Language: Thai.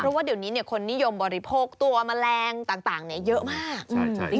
เพราะว่าเดี๋ยวนี้คนนิยมบริโภคตัวแมลงต่างเยอะมาก